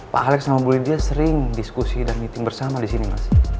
pak alex sama bu lydia sering diskusi dan meeting bersama di sini mas